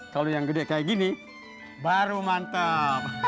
kalau yang gede kayak gini baru mantap